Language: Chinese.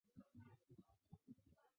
画中的男子为该壁画的创作者。